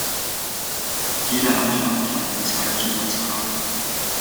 Jeder Anfrage folgen zwei Zusatzfragen.